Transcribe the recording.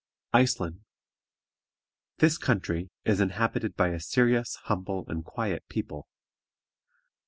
ICELAND. This country is inhabited by a serious, humble, and quiet people.